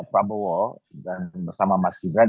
pak bowo dan bersama mas gibran